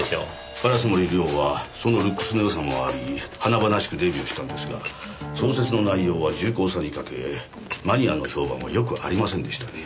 烏森凌はそのルックスのよさもあり華々しくデビューしたんですが小説の内容は重厚さに欠けマニアの評判はよくありませんでしたね。